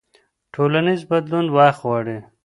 ټولنیز بدلون وخت غواړي.